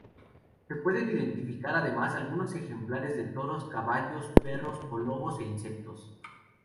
Se pueden identificar además, algunos ejemplares de toros, caballos, perros o lobos e insectos.